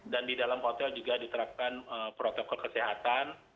dan di dalam hotel juga diterapkan protokol kesehatan